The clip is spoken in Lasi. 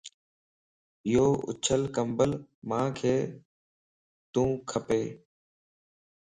يو اڇو ڪمبل مانک تو کپا